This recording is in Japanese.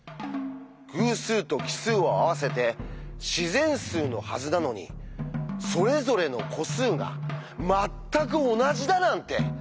偶数と奇数を合わせて自然数のはずなのにそれぞれの個数がまったく同じだなんて！